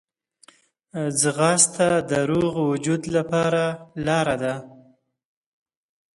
ځغاسته د روغ وجود لپاره لاره ده